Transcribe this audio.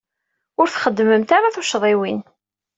Ur txeddmemt ara tuccḍiwin.